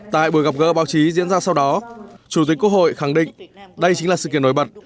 tại buổi gặp gỡ báo chí diễn ra sau đó chủ tịch quốc hội khẳng định đây chính là sự kiện nổi bật